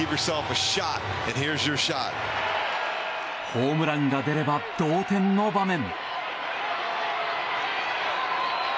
ホームランが出れば同点の場面。